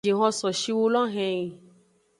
Jihon so shiwu lo henyi.